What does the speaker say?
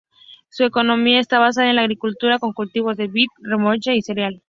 Su economía está basada en la agricultura con cultivos de vid, remolacha y cereal.